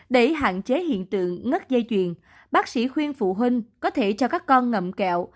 để hạn chế hiện tượng ngất dây chuyền bác sĩ khuyên phụ huynh có thể cho các con ngậm kẹo